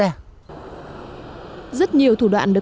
rất nhiều thủ đoạn được các đối tượng chở hàng lậu